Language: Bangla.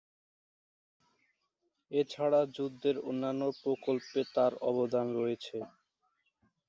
এছাড়া যুদ্ধের অন্যান্য প্রকল্পে তার অবদান রয়েছে।